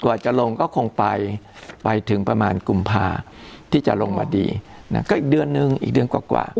จะลงก็คงไปไปถึงประมาณกุมภาที่จะลงมาดีนะก็อีกเดือนนึงอีกเดือนกว่า